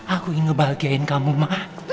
aku ingin ngebahagiain kamu mah